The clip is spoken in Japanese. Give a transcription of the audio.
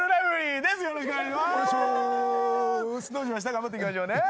頑張っていきましょうね。